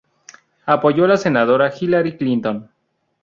Apoyó a la senadora Hillary Clinton.